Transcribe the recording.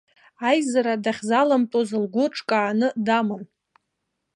Аизара дахьзаламтәоз лгәы ҿкааны даман.